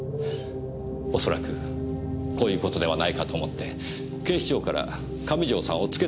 恐らくこういう事ではないかと思って警視庁から上条さんをつけてきたんです。